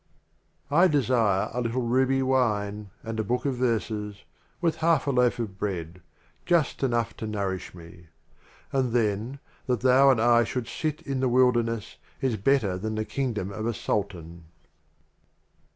XII. I desire a little Ruby Wine, and a Book of Verses, With Haifa Loaf of Bread — just enough to nourish me; And then, that Thou and I should sit in the Wilderness Is better than the Kingdom of a Sultan.